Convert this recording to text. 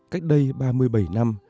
cách đây ba mươi bảy năm